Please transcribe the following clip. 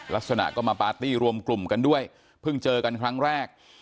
ลักษณะก็มาปาร์ตี้รวมกลุ่มกันด้วยเพิ่งเจอกันครั้งแรก